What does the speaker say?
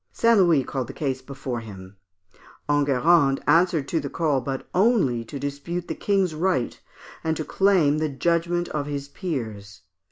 St. Louis called the case before him. Enguerrand answered to the call, but only to dispute the King's right, and to claim the judgment of his peers.